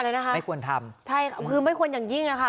อะไรนะครับใช่ค่ะคือไม่ควรอย่างนี้นะคะ